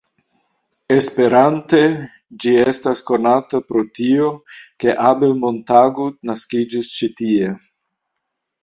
Esperante, ĝi estas konata pro tio, ke Abel Montagut naskiĝis ĉi tie.